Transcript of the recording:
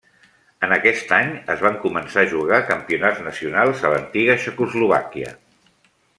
En aquest any es van començar a jugar campionats nacionals a l'antiga Txecoslovàquia.